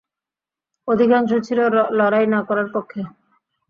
অধিকাংশ ছিল লড়াই না করার পক্ষে।